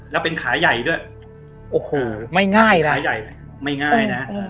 แล้วเป็นขายใหญ่ด้วยโอ้โหขายใหญ่ไม่ง่ายนะ